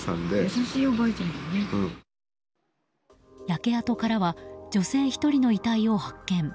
焼け跡からは女性１人の遺体を発見。